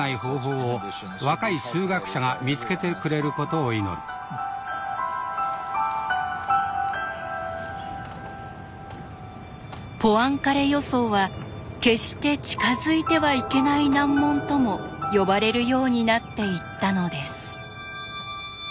タイトルはポアンカレ予想は「決して近づいてはいけない難問」とも呼ばれるようになっていったのです。